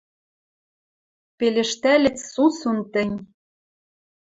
Пелештӓльӹц сусун тӹнь: